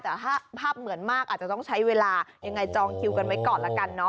แต่ถ้าภาพเหมือนมากอาจจะต้องใช้เวลายังไงจองคิวกันไว้ก่อนละกันเนาะ